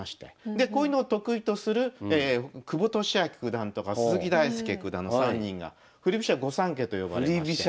でこういうのを得意とする久保利明九段とか鈴木大介九段の３人が振り飛車御三家と呼ばれまして。